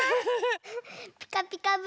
「ピカピカブ！」